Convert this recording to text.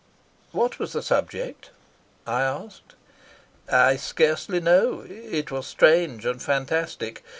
"What was the subject?" I asked. "I scarcely know. It was strange and fantastic.